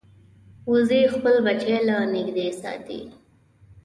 وزې خپل بچي له نږدې ساتي